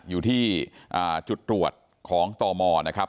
อยู่ที่จุดตรวจของตมนะครับ